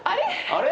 あれ？